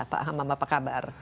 pak hamam apa kabar